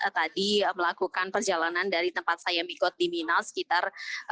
tadi melakukan perjalanan dari tempat saya migot di minal sekitar